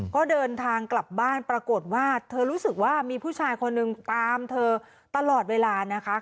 ก็เดินทางกลับบ้านปรากฏว่าเธอรู้สึกว่ามีผู้ชายคนหนึ่งตามเธอตลอดเวลานะคะ